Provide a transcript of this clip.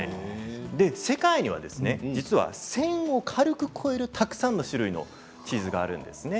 世界には１０００を軽く超えるたくさんの種類のチーズがあるんですね。